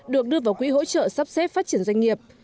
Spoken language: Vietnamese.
được đưa vào quỹ hỗ trợ sắp xếp phát triển doanh nghiệp